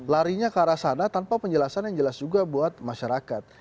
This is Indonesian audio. larinya ke arah sana tanpa penjelasan yang jelas juga buat masyarakat